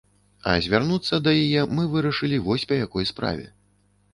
А звярнуцца да яе мы вырашылі вось па якой справе.